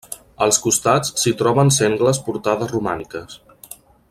Als costats s'hi troben sengles portades romàniques.